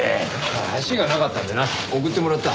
足がなかったんでな送ってもらった。